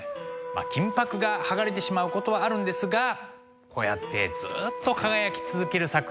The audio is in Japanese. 金箔が剥がれてしまうことはあるんですがこうやってずっと輝き続ける作品もたくさんあります。